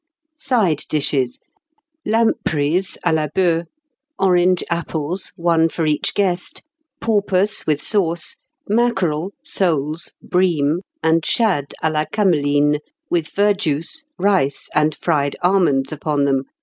"Side Dishes. Lampreys à la boee, orange apples (one for each guest), porpoise with sauce, mackerel, soles, bream, and shad à la cameline, with verjuice, rice and fried almonds upon them; sugar and apples.